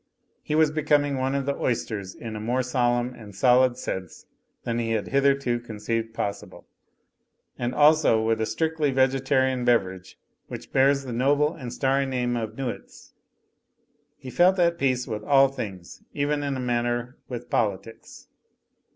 He was becoming one with the oys ters in a more solemn and solid sense than he had hitherto conceived possible, and also with a strictly Vegetarian beverage which bears the notje and starry name of Nuits. He felt at peace with all things, even in a manner with politics.